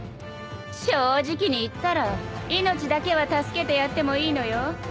正直に言ったら命だけは助けてやってもいいのよ。